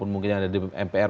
mungkin yang ada di mpr